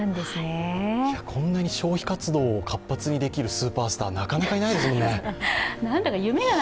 こんなに消費活動を活発にできるスーパースターいないですよね。